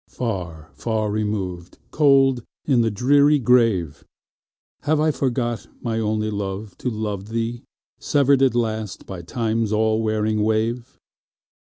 Far, far removed, cold in the dreary grave! Have I forgot, my only love, to love thee, Severed at last by Time's all wearing wave?